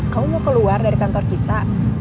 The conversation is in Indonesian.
kamu mau keluar dari kantor kita